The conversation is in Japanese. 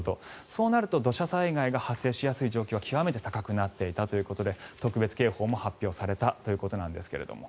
そうなると土砂災害が発生しやすい状況が極めて高くなっていたということで特別警報が発表されたということなんですけども。